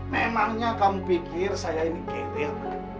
memangnya kamu pikir saya ini gede pak